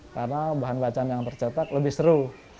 karena bahan bacaan yang tercetak lebih seru